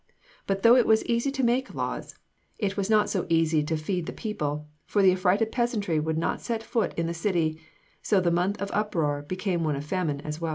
But though it was easy to make laws, it was not so easy to feed the people; for the affrighted peasantry would not set foot in the city; so the month of uproar became one of famine as well.